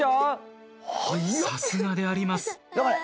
さすがであります。